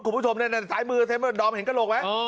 คุณผู้ชมในสายมือเซ็นเมอร์ดอมเห็นกระโหลกไหม